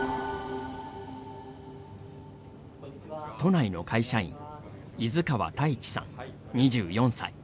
都内の会社員伊豆川太一さん、２４歳。